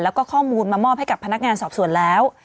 แล้วก็ข้อมูลมามอบให้กับพนักงานสอบสวนแล้ว